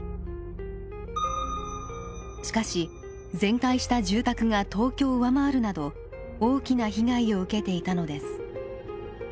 しかし全壊した住宅が東京を上回るなど大きな被害を受けていたのです。